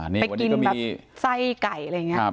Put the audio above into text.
ไปกินแบบไส้ไก่อะไรอย่างนี้